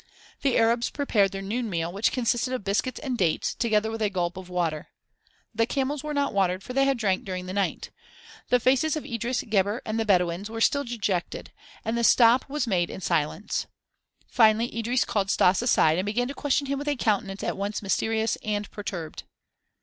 The Arabs prepared their noon meal, which consisted of biscuits and dates, together with a gulp of water. The camels were not watered for they had drank during the night. The faces of Idris, Gebhr and the Bedouins were still dejected, and the stop was made in silence. Finally Idris called Stas aside, and began to question him with a countenance at once mysterious and perturbed.